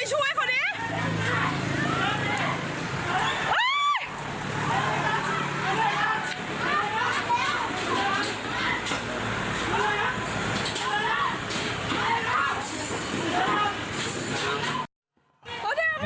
โหยยยยยยยยตายตายนี่เลย